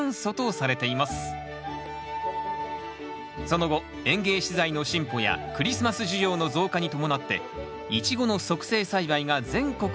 その後園芸資材の進歩やクリスマス需要の増加に伴ってイチゴの促成栽培が全国に普及。